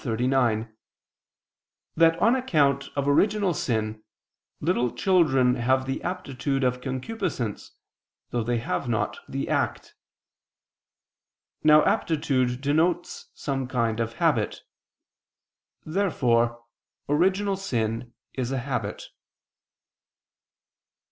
i, 39) that on account of original sin little children have the aptitude of concupiscence though they have not the act. Now aptitude denotes some kind of habit. Therefore original sin is a habit.